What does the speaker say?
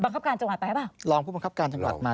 บังคับการจังหวัดไปน่ะไบ้หรือเปล่า